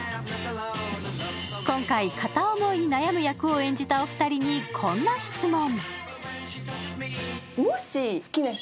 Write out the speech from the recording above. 今回、片思いに悩む役を演じたお二人にこんな質問。